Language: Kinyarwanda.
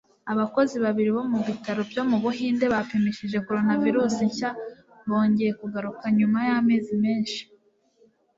Abakozi babiri bo mu bitaro byo mu Buhinde bapimishije coronavirus nshya bongeye kugaruka nyuma y'amezi menshi